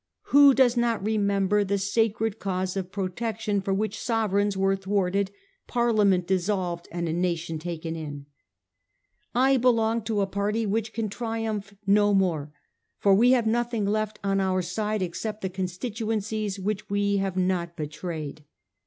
Who does not remember the sacred cause of Protection for which sovereigns were thwarted, Parliament dissolved, and a nation taken in ?' 'I belong to a party which can triumph no more, for we have nothing left on our side except the constituencies which we have not betrayed.